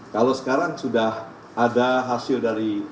kalau sekarang sudah ada hasil dari